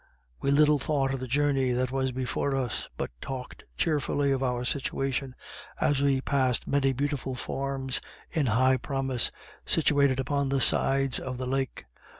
We little thought of the journey that was before us, but talked cheerfully of our situation, as we passed many beautiful farms in high promise, situated upon the sides of the lake.